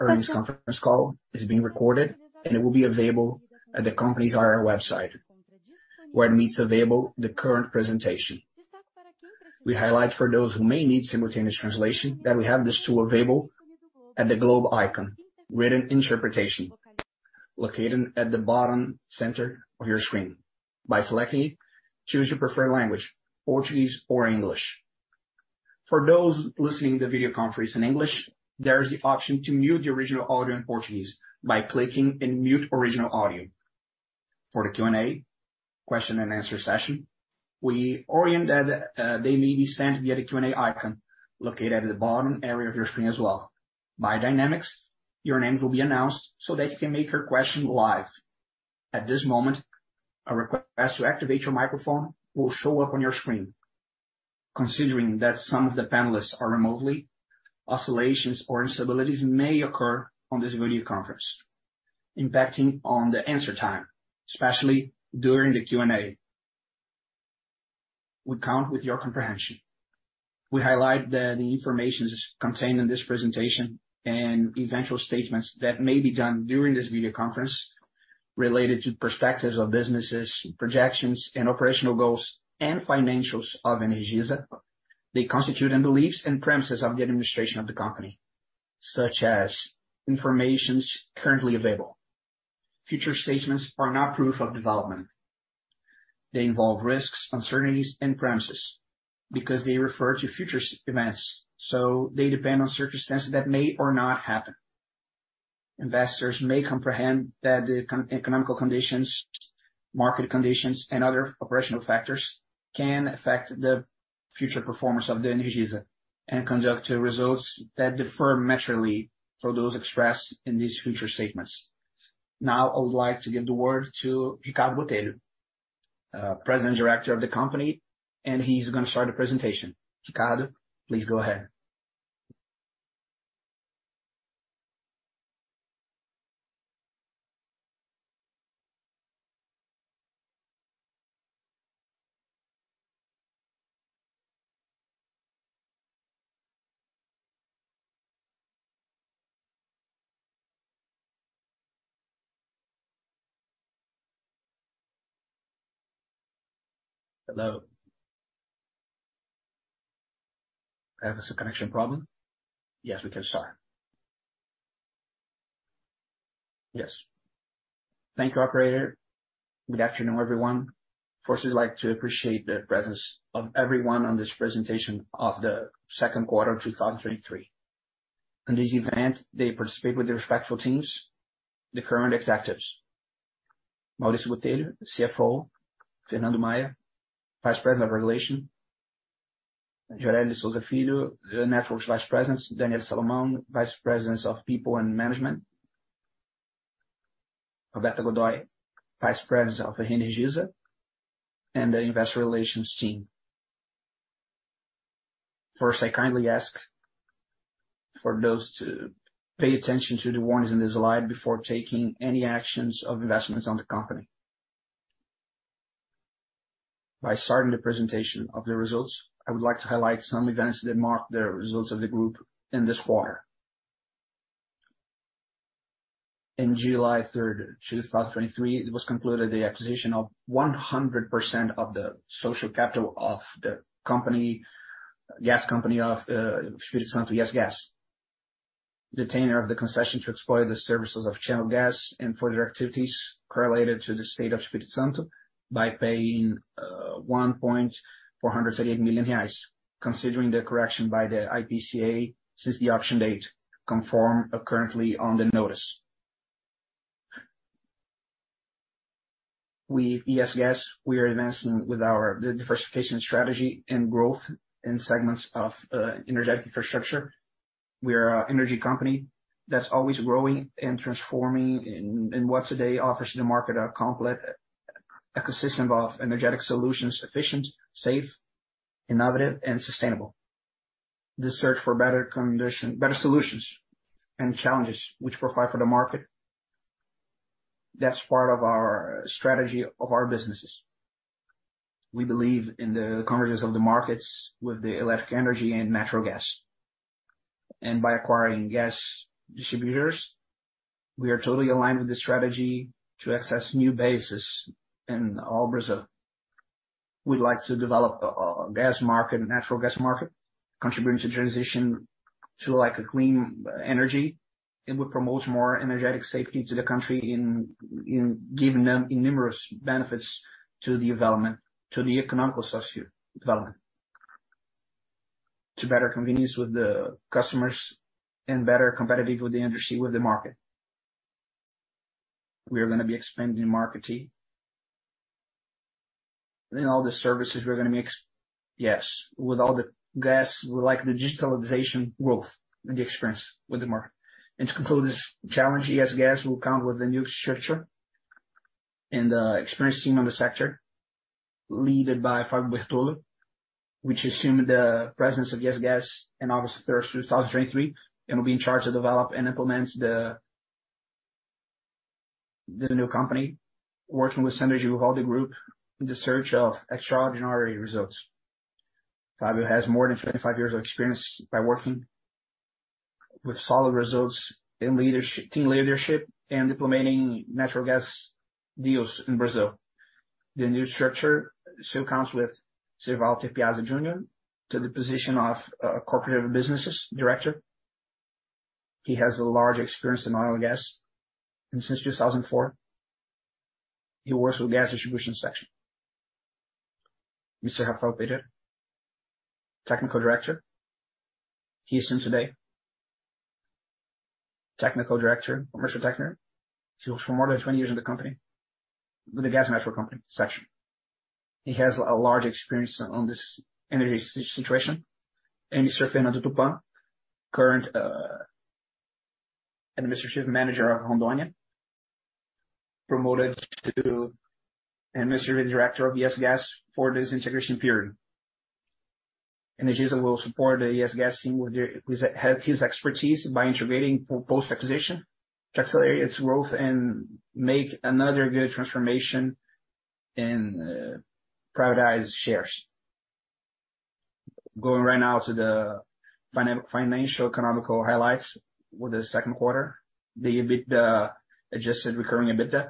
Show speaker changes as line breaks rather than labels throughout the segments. This conference call is being recorded, and it will be available at the company's IR website, where it makes available the current presentation. We highlight for those who may need simultaneous translation, that we have this tool available at the globe icon, written interpretation, located at the bottom center of your screen. By selecting it, choose your preferred language, Portuguese or English. For those listening the video conference in English, there is the option to mute the original audio in Portuguese by clicking in Mute Original Audio. For the Q&A, question and answer session, we orient that they may be sent via the Q&A icon located at the bottom area of your screen as well. By dynamics, your name will be announced so that you can make your question live. At this moment, a request to activate your microphone will show up on your screen. Considering that some of the panelists are remotely, oscillations or instabilities may occur on this video conference, impacting on the answer time, especially during the Q&A. We count with your comprehension. We highlight that the information contained in this presentation and eventual statements that may be done during this video conference, related to perspectives of businesses, projections and operational goals and financials of Energisa, they constitute in beliefs and premises of the administration of the company, such as informations currently available. Future statements are not proof of development. They involve risks, uncertainties and premises because they refer to future events, so they depend on circumstances that may or not happen. Investors may comprehend that the economical conditions, market conditions, and other operational factors can affect the future performance of the Energisa and conduct results that differ materially from those expressed in these future statements. Now, I would like to give the word to Ricardo Botelho, President Director of the company, and he's gonna start the presentation. Ricardo, please go ahead.
Hello. I have a connection problem?
Yes, we can start.
Yes. Thank you, operator. Good afternoon, everyone. First, I'd like to appreciate the presence of everyone on this presentation of the second quarter, 2023. In this event, they participate with the respectful teams, the current executives, Mauricio Botelho, CFO, Fernando Maia, Vice President of Regulation, Gioreli de Souza Filho, the Networks Vice President, Daniele Salomão, Vice President of People and Management, Roberta Godoi, Vice President of Energy Solutions, and the Investor Relations team. First, I kindly ask for those to pay attention to the warnings in this slide before taking any actions of investments on the company. By starting the presentation of the results, I would like to highlight some events that marked the results of the group in this quarter. In July 3rd, 2023, it was concluded the acquisition of 100% of the social capital of the company, gas company of Espírito Santo ES Gás. Detainer of the concession to exploit the services of channel gas and further activities correlated to the state of Espírito Santo by paying 1.438 million reais, considering the correction by the IPCA since the auction date, conform currently on the notice. ES Gás, we are advancing with our, the diversification strategy and growth in segments of energetic infrastructure. We are a energy company that's always growing and transforming in what today offers the market a complete ecosystem of energetic solutions, efficient, safe, innovative, and sustainable. The search for better condition, better solutions and challenges which provide for the market. That's part of our strategy of our businesses. We believe in the convergence of the markets with the electric energy and natural gas. By acquiring gas distributors, we are totally aligned with the strategy to access new bases in all Brazil. We'd like to develop a gas market, a natural gas market, contributing to transition to a clean energy, would promote more energetic safety to the country in giving them innumerous benefits to the development, to the economical socio-development, to better convenience with the customers and better competitive with the industry, with the market. We are gonna be expanding the marketing. In all the services we're gonna make. Yes, with all the gas, we like the digitalization growth and the experience with the market. To conclude this challenge, ES Gás will come with a new structure and experienced team on the sector, led by Fabio Bertollo, which assumed the presence of ES Gás in August 1, 2023, and will be in charge to develop and implement the new company, working with Synergy Holding Group in the search of extraordinary results. Fabio has more than 25 years of experience by working with solid results in leadership, team leadership and implementing natural gas deals in Brazil. The new structure still comes with Walter Piazza Jr. to the position of Corporate Businesses Director. He has a large experience in oil and gas, and since 2004, he works with gas distribution section. Mr. Rafael Pedrero, Technical Director. He is here today. Technical Director, Commercial Technical.
He works for more than 20 years in the company, with the Gas Natural company section. He has a large experience on this energy situation. Mr. Fernando Tupan, current Administrative Manager of Rondonia, promoted to Administrative Director of ES Gás for this integration period. He also will support the ES Gás team with his expertise by integrating post-acquisition, to accelerate its growth and make another good transformation in privatized shares. Going right now to the financial economical highlights with the second quarter, the EBITDA, adjusted recurring EBITDA,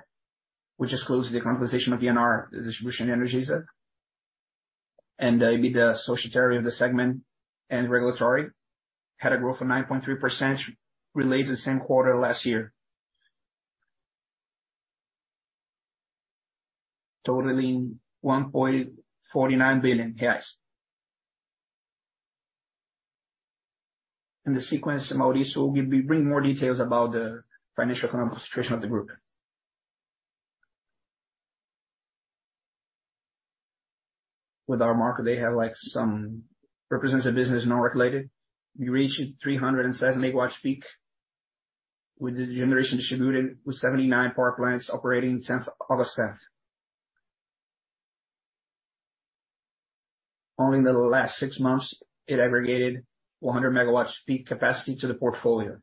which excludes the composition of VNR, the Distribution Energy set, and EBITDA societary of the segment and regulatory, had a growth of 9.3% related to the same quarter last year. Totaling BRL 1.49 billion. In the sequence, Mauricio will give me-- bring more details about the financial economic situation of the group. With our market, they have, like, some representative business, non-regulated. We reached 307 megawatts peak, with the generation distributed, with 79 power plants operating tenth of August fifth. Only in the last 6 months, it aggregated 100 megawatts peak capacity to the portfolio.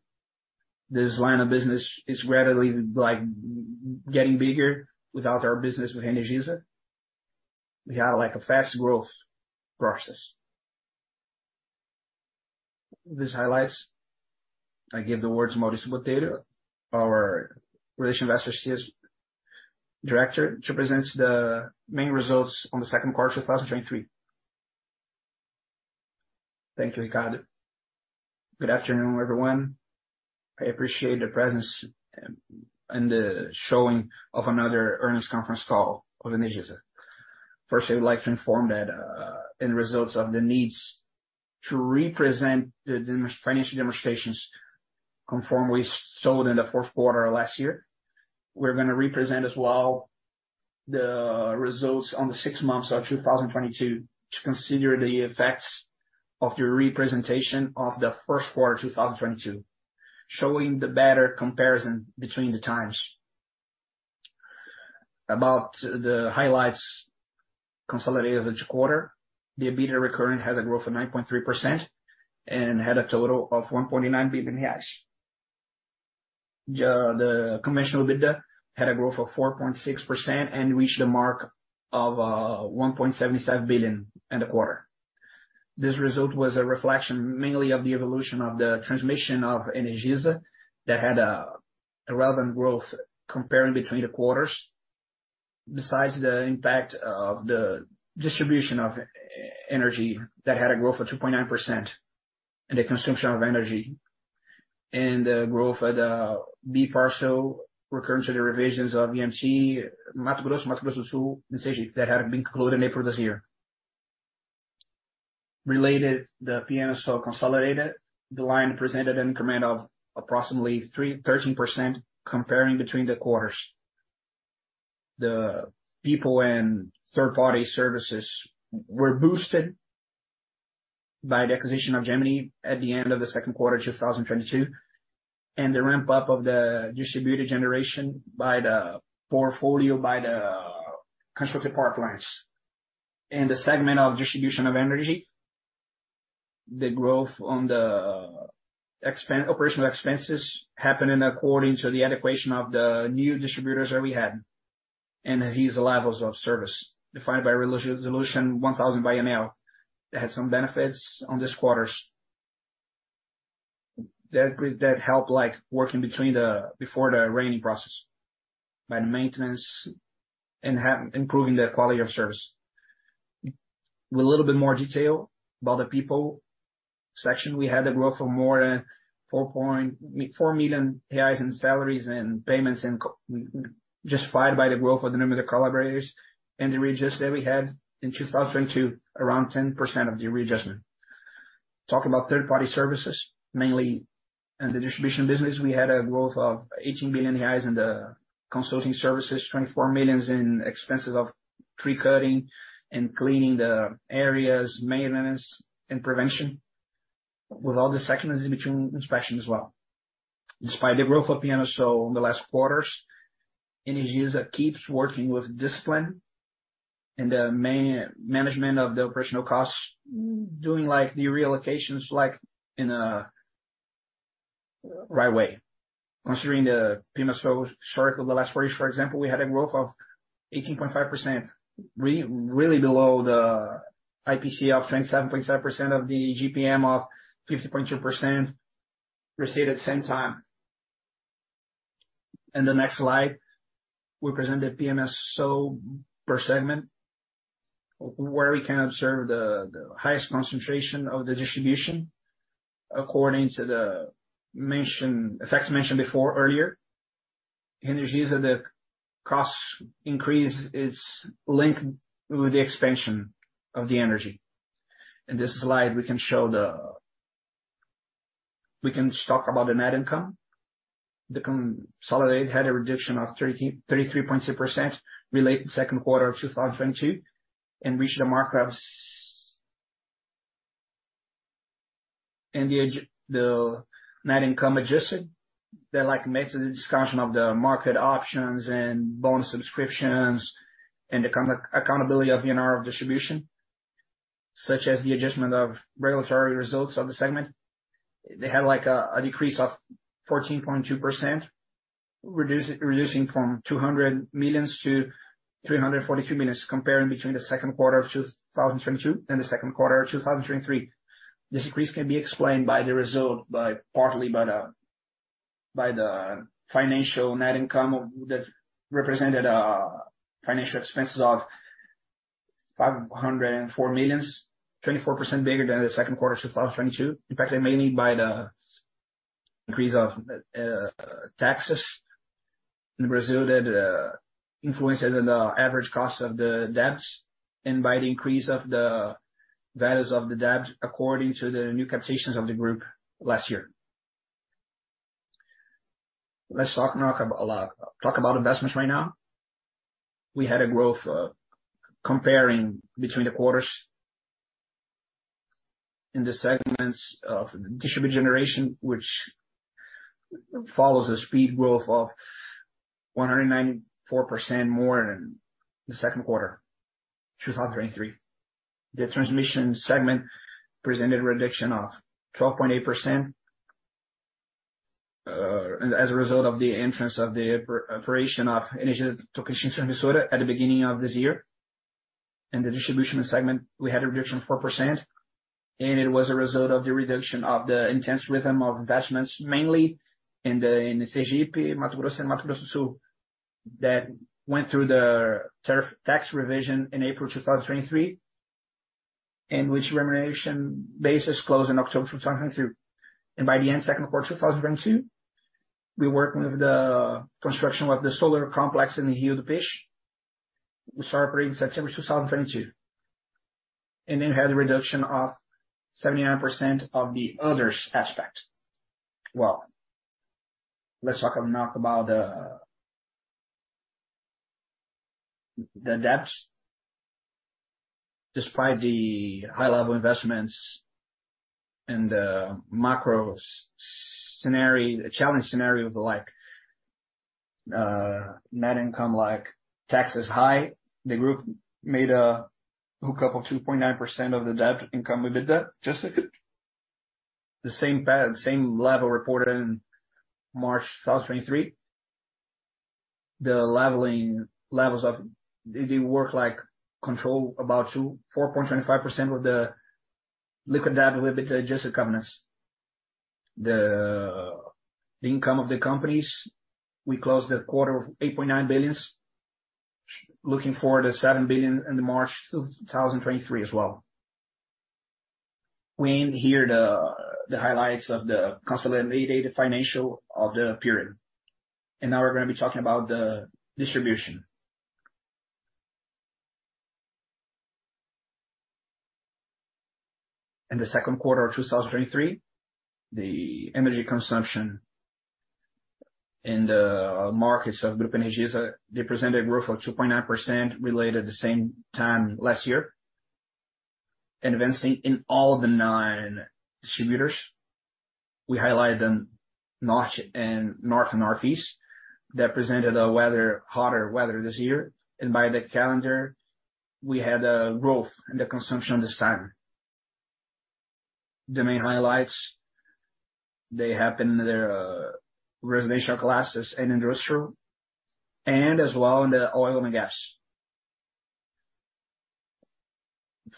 This line of business is readily, like, getting bigger without our business with Energisa. We have, like, a fast growth process. This highlights, I give the word to Mauricio Botelho, our Relations Investors CS Director, to present the main results on the second quarter 2023.
Thank you, Ricardo. Good afternoon, everyone. I appreciate the presence, and the showing of another earnings conference call of Energisa. First, I would like to inform that, in results of the needs to represent the financial demonstrations, conform we showed in the fourth quarter last year, we're gonna represent as well, the results on the six months of 2022, to consider the effects of the representation of the first quarter 2022, showing the better comparison between the times. About the highlights consolidated each quarter, the EBITDA recurring has a growth of 9.3% and had a total of 1.9 billion. The conventional EBITDA had a growth of 4.6% and reached a mark of 1.77 billion in the quarter. This result was a reflection, mainly of the evolution of the transmission of Energisa, that had a relevant growth comparing between the quarters. Besides the impact of the distribution of energy, that had a growth of 2.9%, and the consumption of energy, and the growth at the Parcela B, recurring to the revisions of EMC, Mato Grosso, Mato Grosso do Sul, and Sergipe, that had been included in April this year. The PMSO consolidated, the line presented an increment of approximately 13%, comparing between the quarters. The people and third party services were boosted by the acquisition of Gemini at the end of the second quarter, 2022, and the ramp up of the distributed generation by the portfolio, by the constructed power plants. In the segment of distribution of energy, the growth on the operational expenses, happened in according to the allocation of the new distributors that we had, and these levels of service, defined by Resolution 1,000 by ANEEL, that had some benefits on this quarters. That bring, that help, like working between the before the raining process, by the maintenance and improving the quality of service. With a little bit more detail about the people section, we had a growth of more than 4.4 million reais in salaries and payments, justified by the growth of the number of collaborators and the readjust that we had in 2022, around 10% of the readjustment. Talk about third-party services, mainly in the distribution business, we had a growth of 18 billion reais in the consulting services, 24 million in expenses of tree cutting and cleaning the areas, maintenance and prevention, with all the section and between inspection as well. Despite the growth of PMSO in the last quarters, Energisa keeps working with discipline and the management of the operational costs, doing like the reallocations, like in a right way. Considering the PMSO historical, the last quarter, for example, we had a growth of 18.5%, really below the IPCA of 27.7% of the IGP-M, of 50.2%, received at the same time. The next slide, we present the PMSO per segment, where we can observe the highest concentration of the distribution according to the facts mentioned before earlier. Energies are the costs increase is linked with the expansion of the energy. In this slide, we can show we can talk about the net income. The consolidated had a reduction of 33.2% related second quarter of 2022, and reached a markup of... The net income adjusted, that like makes the discussion of the market options and bonus subscriptions, and the accountability of the NRR of distribution, such as the adjustment of regulatory results of the segment. They had like a decrease of 14.2%, reducing from 200 million to 343 million, comparing between the second quarter of 2022 and the second quarter of 2023. This decrease can be explained by the result, by the financial net income that represented financial expenses of $504 million, 24% bigger than the second quarter of 2022. In fact, mainly by the increase of taxes in Brazil, that influenced the average cost of the debts, and by the increase of the values of the debt, according to the new captations of the group last year. Let's talk now about investments right now. We had a growth comparing between the quarters. In the segments of distribution generation, which follows a speed growth of 194% more than the second quarter, 2023. The transmission segment presented a reduction of 12.8%, as a result of the entrance of the operation of Tocantins in Maranhão at the beginning of this year. In the distribution segment, we had a reduction of 4%, and it was a result of the reduction of the intense rhythm of investments, mainly in the, in the CGP, Mato Grosso and Mato Grosso do Sul, that went through the tariff tax revision in April 2023, in which remuneration bases closed in October 2002. By the end, second quarter 2022, we working with the construction of the solar complex in Rio do Peixe. We started operating September 2022, then had a reduction of 79% of the others aspect. Well, let's talk, talk about... The debt. Despite the high level investments and the macro scenario, the challenge scenario, like net income, like taxes high, the group made a hookup of 2.9% of the debt income with the debt, just like the same pattern, same level reported in March 2023. The leveling levels of they work like control about 2, 4.25% of the liquid debt with the adjusted covenants. The income of the companies, we closed the quarter of 8.9 billion, looking forward to 7 billion in March 2023 as well. We hear the highlights of the consolidated financial of the period, now we're gonna be talking about the distribution. In the second quarter of 2023, the energy consumption in the markets of Grupo Energisa, they presented growth of 2.9% related the same time last year, and advancing in all the nine distributors. We highlighted them North and North and Northeast, that presented a weather, hotter weather this year, and by the calendar, we had a growth in the consumption this time. The main highlights, they have in their, residential classes and industrial, and as well in the oil and gas.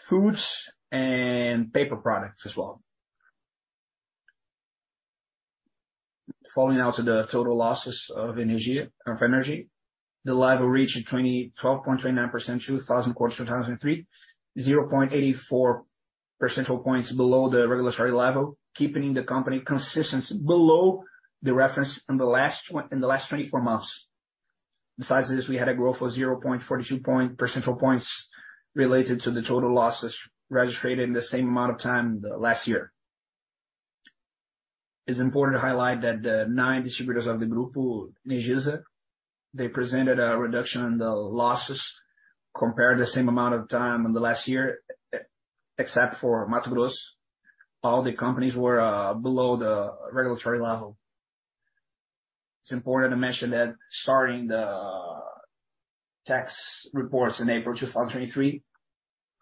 Foods and paper products as well. Falling out to the total losses of energy, of energy, the level reached 12.29%, 2,000 quarter 2,003, 0.84 percentile points below the regulatory level, keeping the company consistent below the reference in the last 24 months. Besides this, we had a growth of 0.42 percentage points related to the total losses registered in the same amount of time last year. It's important to highlight that the nine distributors of the Grupo Energisa, they presented a reduction in the losses compared to the same amount of time last year, except for Mato Grosso, all the companies were below the regulatory level. It's important to mention that starting the tax reports in April 2023,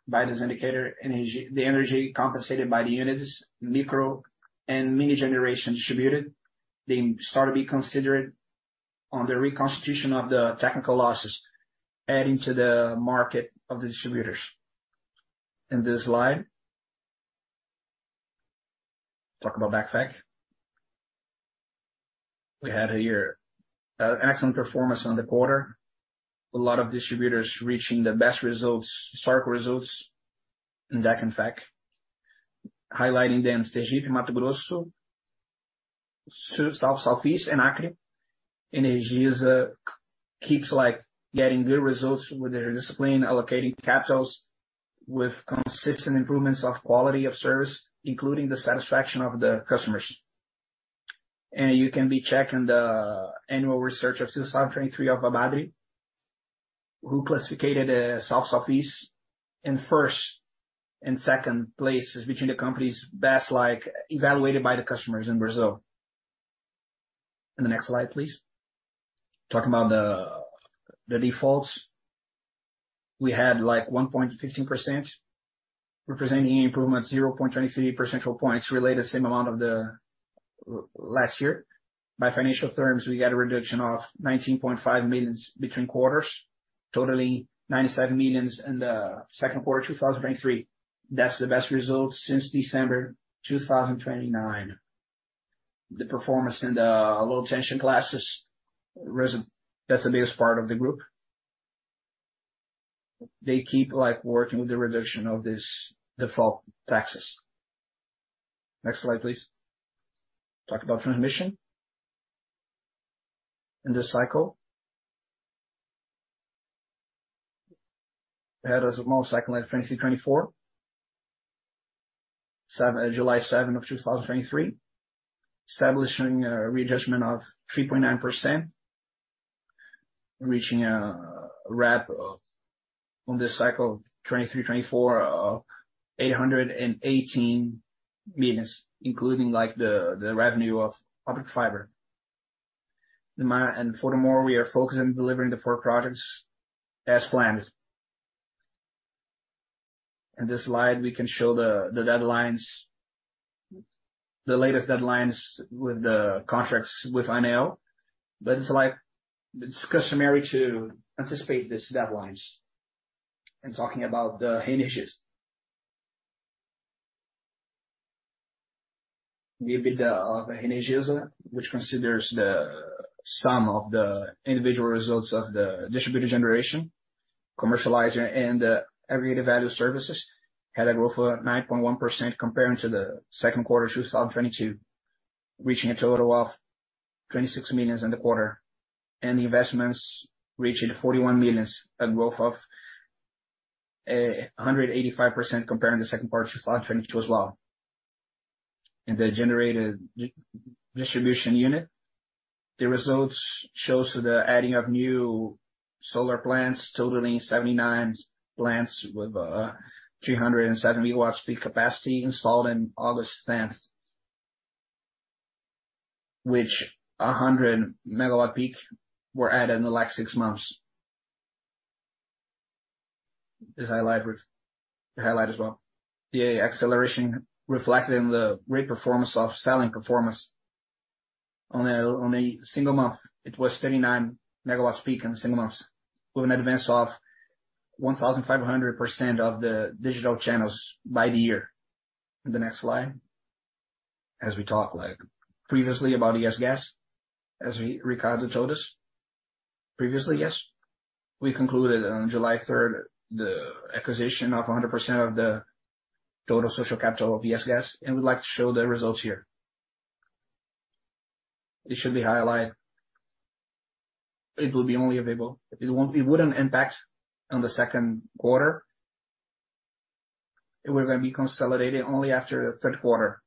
by this indicator, the energy compensated by the units, micro and mini generation distributed, they start to be considered on the reconstitution of the technical losses, adding to the market of the distributors. In this slide, talk about DEC and FEC. We had a year excellent performance on the quarter. A lot of distributors reaching the best results, historic results in DEC and FEC, highlighting them, Sergipe, Mato Grosso do Sul, South, Southeast, and Acre. Energisa keeps, like, getting good results with their discipline, allocating capitals with consistent improvements of quality of service, including the satisfaction of the customers. You can be checking the annual research of 2023 of Abradee, who classificated South Southeast in first and second places between the company's best, like, evaluated by the customers in Brazil. In the next slide, please. Talk about the, the defaults. We had, like, 1.15%, representing improvement 0.23 percentage points, related same amount of the last year. By financial terms, we got a reduction of $19.5 million between quarters, totally $97 million in the second quarter of 2023. That's the best result since December 2029. The performance in the low attention classes, that's the biggest part of the group. They keep, like, working with the reduction of this default taxes. Next slide, please. Talk about transmission. In this cycle, we had as of moment, cycle of 23, 24, July 7, 2023, establishing a readjustment of 3.9%, reaching a, a rep of, on this cycle, 23, 24, of 818 million, including, like, the, the revenue of optical fiber. Furthermore, we are focused on delivering the four projects as planned. In this slide, we can show the, the deadlines, the latest deadlines with the contracts with ANEEL, but it's like, it's customary to anticipate these deadlines. Talking about the Energisa. The EBITDA of Energisa, which considers the sum of the individual results of the distributor generation, commercializer, and the aggregated value services, had a growth of 9.1% comparing to the second quarter of 2022, reaching a total of 26 million in the quarter. The investments reached 41 million, a growth of 185% comparing the second quarter of 2022 as well. In the generated distribution unit, the results shows the adding of new solar plants, totaling 79 plants with 370 watts peak capacity installed in August 10th, which 100 megawatt peak were added in the last 6 months. Is highlight highlight as well. The acceleration reflected in the great performance of selling performance. On a single month, it was 39 megawatts peak in a single months, with an advance of 1,500% of the digital channels by the year. In the next slide. As we talked like previously about ES Gás, as Ricardo told us previously, yes, we concluded on July 3rd, the acquisition of 100% of the total social capital of ES Gás. We'd like to show the results here. It should be highlighted. It will be only available. It wouldn't impact on the second quarter. It will then be consolidated only after the third quarter.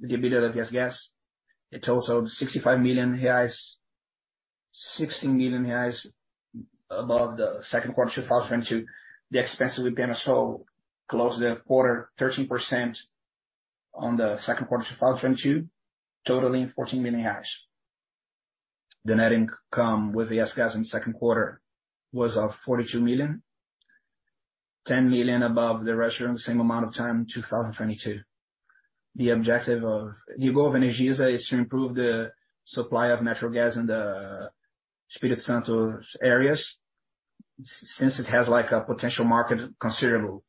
The EBITDA of ES Gás, it totaled 65 million reais, 16 million reais above the second quarter of 2022. The expense with PMSO closed the quarter 13% on the second quarter of 2022, totaling 14 million reais. The net income with ES Gás in the second quarter was of 42 million, 10 million above the rest of the same amount of time, 2022. The objective of-- The goal of Energisa is to improve the supply of natural gas in the Espírito Santo's areas, since it has like a potential market considerable.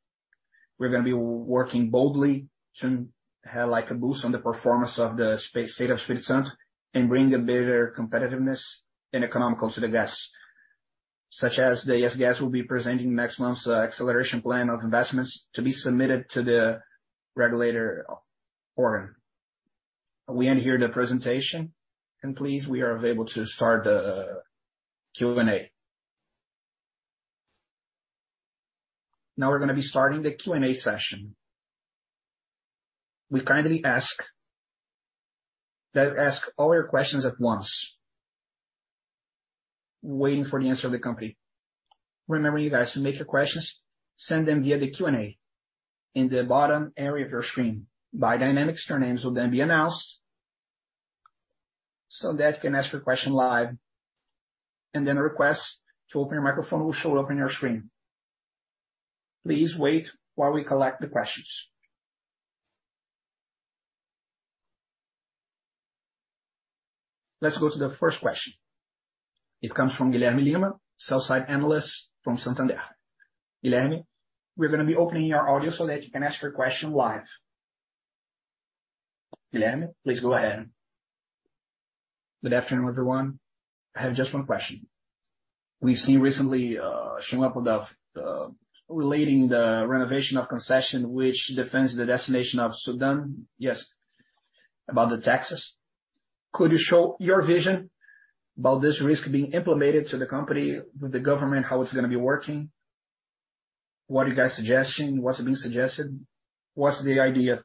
We're gonna be working boldly to have, like, a boost on the performance of the state of Espírito Santo, bring a better competitiveness and economical to the gas. Such as the ES Gás will be presenting next month's acceleration plan of investments to be submitted to the regulator forum. We end here the presentation. Please, we are available to start the Q&A. Now we're gonna be starting the Q&A session. We kindly ask that ask all your questions at once. Waiting for the answer of the company.
Remember you guys, to make your questions, send them via the Q&A in the bottom area of your screen. By dynamics, your names will then be announced, so that you can ask your question live, and then a request to open your microphone will show up on your screen. Please wait while we collect the questions. Let's go to the first question. It comes from Guilherme Lima, sell-side analyst from Santander. Guilherme, we're gonna be opening your audio so that you can ask your question live. Guilherme, please go ahead.
Good afternoon, everyone. I have just one question. We've seen recently, showing up with the, relating the renovation of concession, which defends the destination of SUDENE. Yes, about the taxes. Could you show your vision about this risk being implemented to the company, with the government, how it's gonna be working? What are you guys suggesting? What's being suggested? What's the idea?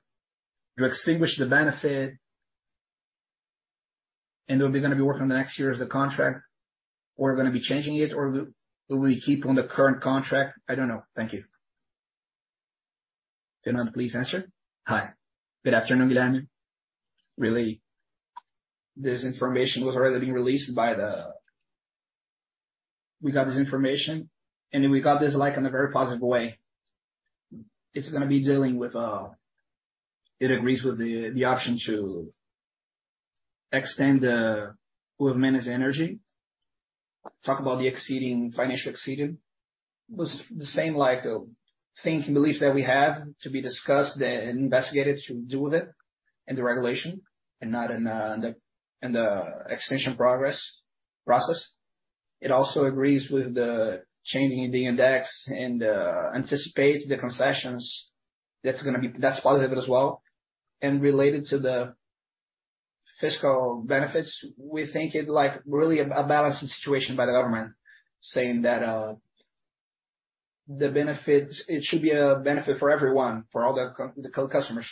To extinguish the benefit, and they'll be gonna be working on the next year of the contract, or gonna be changing it, or will we keep on the current contract? I don't know. Thank you. Fernando, please answer.
Hi. Good afternoon, Guilherme. Really, this information was already being released by the. We got this information, and then we got this, like, in a very positive way. It's gonna be dealing with, it agrees with the, the option to extend the who have managed energy, talk about the exceeding, financial exceeding. Was the same like, thinking belief that we have to be discussed and investigated to do with it, and the regulation, and not in the, in the extension progress, process. It also agrees with the changing in the index and anticipates the concessions. That's positive as well. Related to the fiscal benefits, we think it like really a, a balanced situation by the government, saying that the benefits, it should be a benefit for everyone, for all the customers.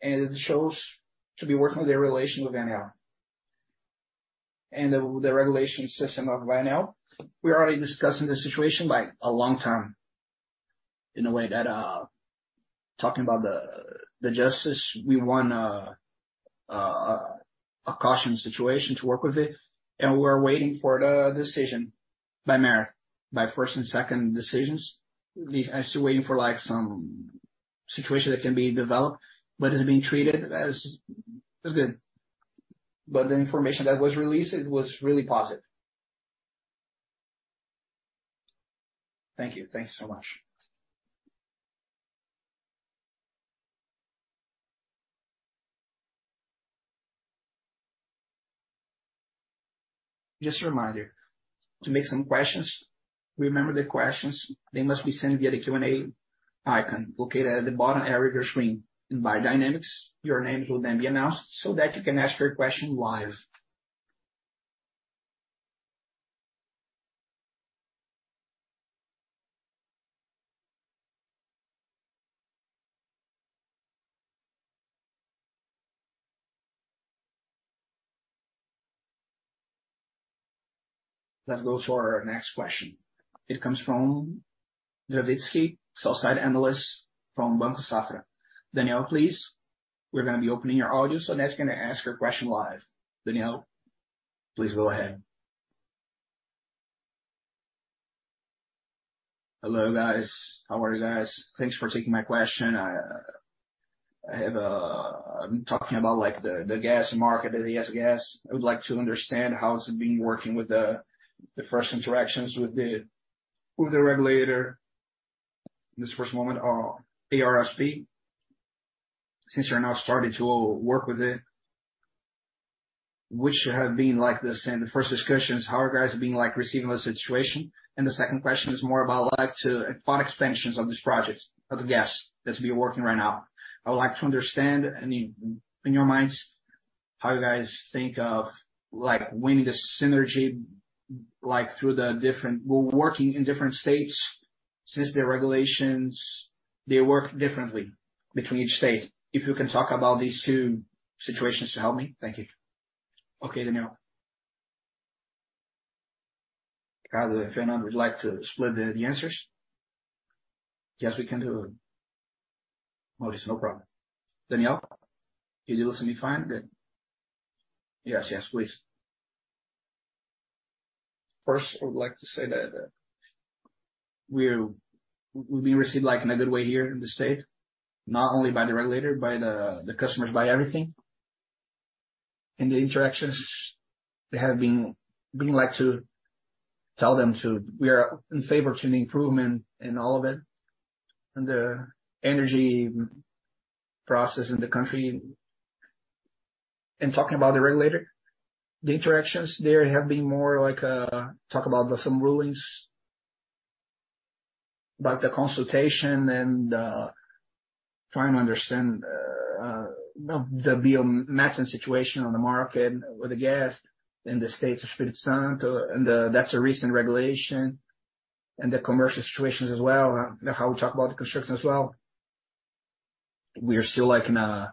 It shows to be working with their relation with ANEEL. The, the regulation system of ANEEL, we're already discussing this situation by a long time, in a way that, talking about the, the justice, we want a, a caution situation to work with it, and we're waiting for the decision by merit, by first and second decisions. We're actually waiting for, like, some situation that can be developed, but it's being treated as, as good. The information that was released, it was really positive.
Thank you. Thanks so much.
Just a reminder, to make some questions, remember the questions, they must be sent via the Q&A icon located at the bottom area of your screen. By dynamics, your names will then be announced so that you can ask your question live. Let's go to our next question. It comes from Travitzky, sell-side analyst from Banco Safra. Daniel, please, we're gonna be opening your audio, so that you can ask your question live. Daniel, please go ahead.
Hello, guys. How are you guys? Thanks for taking my question. I, I'm talking about, like, the, the gas market, the ES Gás. I would like to understand how has it been working with the, the first interactions with the, with the regulator, this first moment, ARSP, since you're now starting to work with it, which have been like this. The first discussion is how are you guys being, like, receiving the situation? The second question is more about like to what expansions of this project, of the gas, that's been working right now. I would like to understand, I mean, in your minds, how you guys think of, like, winning the synergy, like, through the different... We're working in different states, since the regulations, they work differently between each state. If you can talk about these two situations to help me. Thank you. Okay, Daniel. Carlo and Fernando, would like to split the, the answers?
Yes, we can do it. Well, it's no problem. Daniel, can you listen me fine? Good.
Yes, yes, please.
First, I would like to say that we've been received, like, in a good way here in the state, not only by the regulator, by the, the customers, by everything. In the interactions, they have been. We are in favor to the improvement in all of it, in the energy process in the country. Talking about the regulator, the interactions there have been more like a talk about some rulings, about the consultation, trying to understand the biomethane situation on the market with the gas in the states of Espírito Santo, that's a recent regulation, and the commercial situations as well, how we talk about the construction as well. We are still, like, in a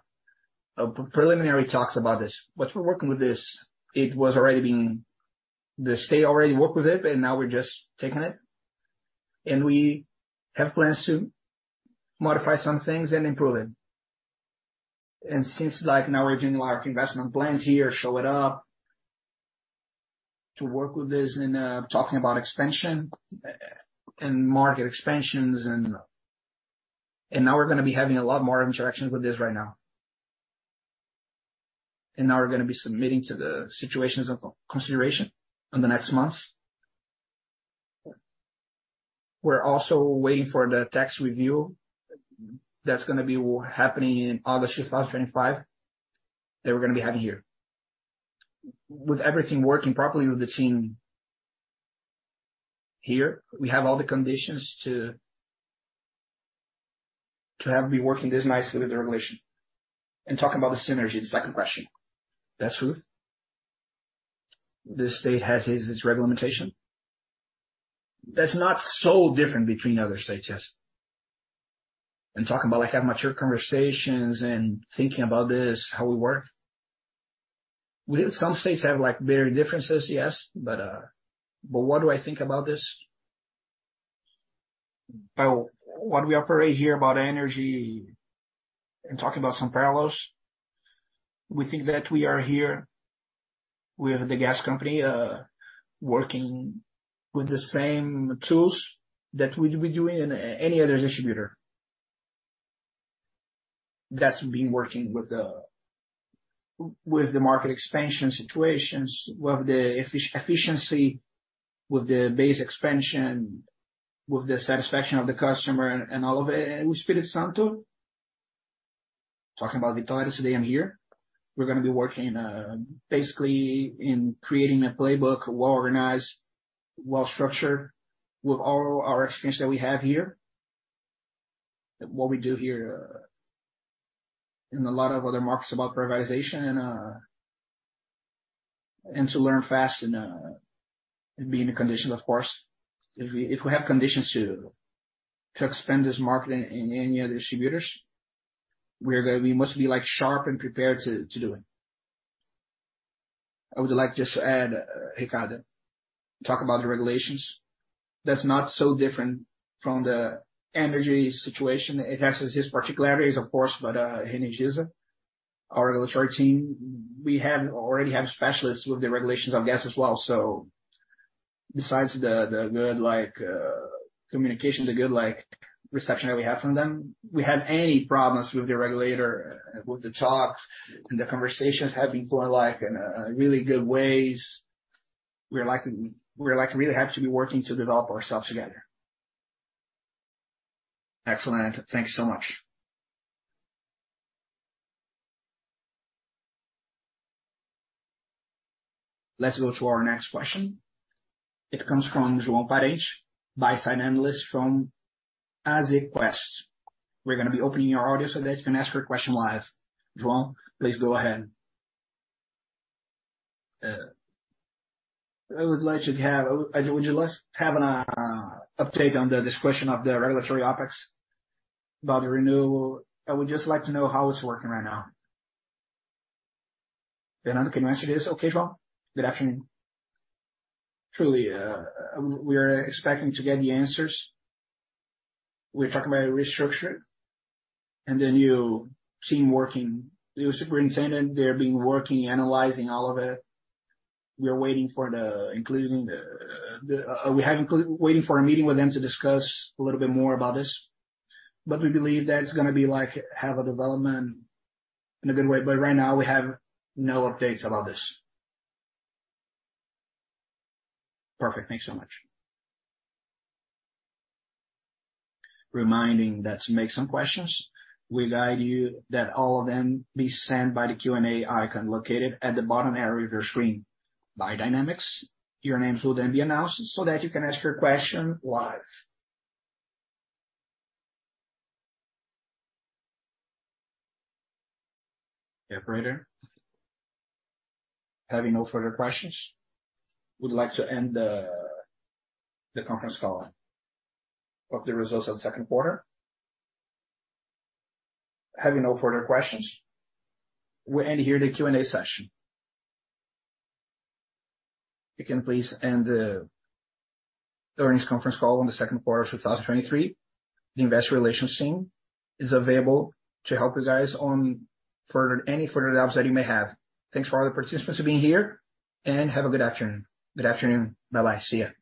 preliminary talks about this. We're working with this. The state already worked with it, and now we're just taking it, and we have plans to modify some things and improve it. Since, like, now we're doing our investment plans here, show it up, to work with this, talking about expansion and market expansions, and now we're going to be having a lot more interactions with this right now. Now we're going to be submitting to the situations of consideration in the next months. We're also waiting for the tax review that's going to be happening in August 2025, that we're going to be having here. With everything working properly with the team here, we have all the conditions to, to have be working this nicely with the regulation. Talking about the synergy, the second question. That's true. The state has its, its regulation. That's not so different between other states, yes. Talking about, like, have mature conversations and thinking about this, how we work. Some states have, like, very differences, yes, but what do I think about this? Well, what we operate here about energy and talking about some parallels, we think that we are here with the gas company, working with the same tools that we, we do in any other distributor. That's been working with the, with the market expansion situations, with the efficiency, with the base expansion, with the satisfaction of the customer and all of it. With Espírito Santo, talking about Vitória today, I'm here. We're gonna be working, basically in creating a playbook, well organized, well structured, with all our experience that we have here. What we do here, in a lot of other markets about privatization, to learn fast and be in the condition, of course. If we have conditions to expand this market in any other distributors, we must be, like, sharp and prepared to do it. I would like to just add, Ricardo, talk about the regulations. That's not so different from the energy situation. It has its particularities, of course, but Energisa, our regulatory team, we already have specialists with the regulations on gas as well. Besides the good, like, communication, the good, like, reception that we have from them, we have any problems with the regulator, with the talks, and the conversations have been going, like, in really good ways. We're, like, really happy to be working to develop ourselves together.
Excellent. Thank you so much.
Let's go to our next question. It comes from João Pires, Buy-side analyst from Ático Quest. We're gonna be opening your audio so that you can ask your question live. João, please go ahead.
Would you like to have an update on the discretion of the regulatory OpEx, about the renewal? I would just like to know how it's working right now.
Fernando, can you answer this?
Okay, João Good afternoon. Truly, we are expecting to get the answers. We're talking about a restructure and the new team working, the new superintendent, they're being working, analyzing all of it. We are waiting for the, we have waiting for a meeting with them to discuss a little bit more about this, but we believe that it's gonna be like, have a development in a good way. Right now we have no updates about this.
Perfect. Thanks so much.
Reminding that to make some questions, we guide you that all of them be sent by the Q&A icon located at the bottom area of your screen. By dynamics, your names will then be announced so that you can ask your question live. Operator, having no further questions, we'd like to end the conference call of the results of the second quarter.
Having no further questions, we end here the Q&A session. You can please end the earnings conference call on the second quarter of 2023. The investor relations team is available to help you guys on any further doubts that you may have. Thanks for all the participants for being here. Have a good afternoon. Good afternoon. Bye-bye. See ya.